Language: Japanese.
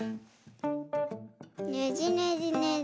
ねじねじねじ。